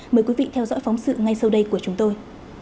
mời quý vị theo dõi phóng sự ngay sau đây của chúng tôi